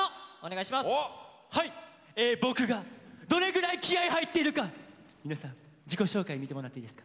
僕がどれぐらい気合い入ってるか皆さん自己紹介見てもらっていいですか。